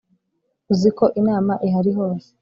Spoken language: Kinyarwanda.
uziko inama ihari hose